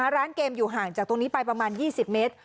ร้านเกมอยู่ห่างจากตรงนี้ไปประมาณ๒๐เมตร